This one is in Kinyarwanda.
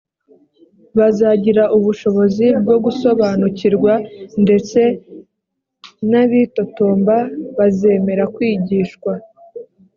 bazagira ubushobozi bwo gusobanukirwa ndetse n abitotomba bazemera kwigishwa